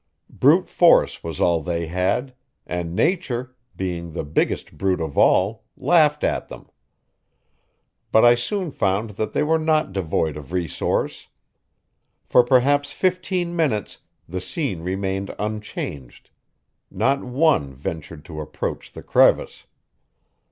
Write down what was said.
Brute force was all they had; and nature, being the biggest brute of all, laughed at them. But I soon found that they were not devoid of resource. For perhaps fifteen minutes the scene remained unchanged; not one ventured to approach the crevice.